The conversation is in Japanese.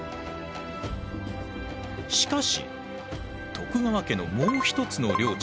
しかし徳川家のもう一つの領地